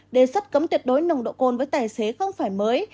đề xuất cấm tuyệt đối nồng độ cồn với tài xế không phải mới